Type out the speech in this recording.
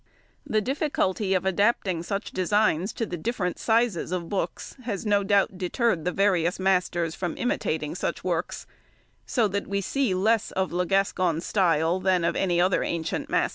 The difficulty of adapting such designs to the different sizes of books has no doubt deterred the various masters from imitating such works, so that we see less of Le Gascon's style than of any other ancient master.